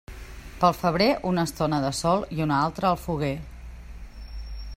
Pel febrer, una estona de sol i una altra al foguer.